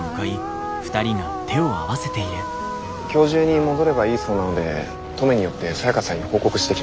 今日中に戻ればいいそうなので登米に寄ってサヤカさんに報告してきます。